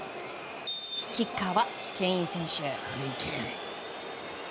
キッカーはケイン選手。